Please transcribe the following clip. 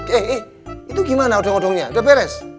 eh itu gimana udah ngodongnya udah beres